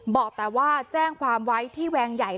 บอกแต่ว่าแจ้งความไว้ที่แวงใหญ่